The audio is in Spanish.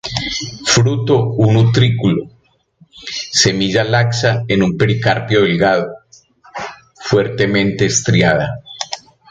Fruto un utrículo; semilla laxa en un pericarpio delgado, fuertemente estriada.